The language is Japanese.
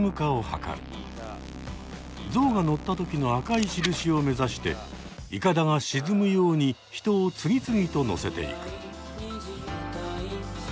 ゾウが乗った時の赤い印を目指していかだが沈むように人を次々と乗せていく。